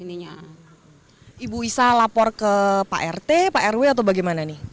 ibu isa lapor ke pak rt pak rw atau bagaimana nih